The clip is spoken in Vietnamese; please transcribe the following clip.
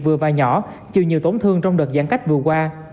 vừa và nhỏ chịu nhiều tổn thương trong đợt giãn cách vừa qua